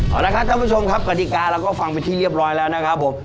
เอาละครับท่านผู้ชมครับกฎิกาเราก็ฟังไปที่เรียบร้อยแล้วนะครับผม